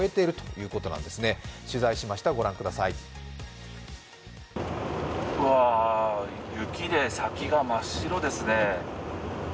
うわー、雪で先が真っ白ですね。